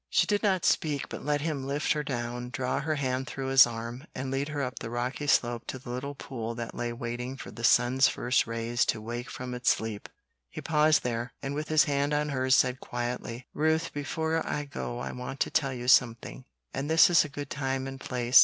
She did not speak, but let him lift her down, draw her hand through his arm, and lead her up the rocky slope to the little pool that lay waiting for the sun's first rays to wake from its sleep. He paused there, and with his hand on hers said quietly, "Ruth, before I go I want to tell you something, and this is a good time and place.